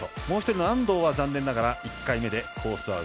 もう１人の安藤は残念ながら１回目でコース